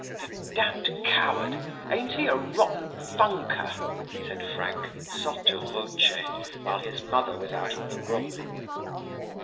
"The damned coward! Ain't he a rotten funker?" said Frank, sotto voce, while his mother was out of the room.